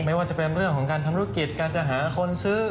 ไม่ว่าจะเป็นเรื่องของการทำธุรกิจการจะหาคนซื้อ